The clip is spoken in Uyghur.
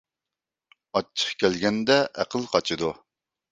ئاچچىق كەلگەندە ئەقىل قاچىدۇ.